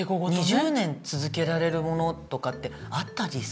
２０年続けられるものとかってあったりする？